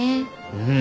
うん。